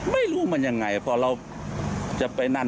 ไม่รู้มันอย่างไรเพราะเราจะไปนั่น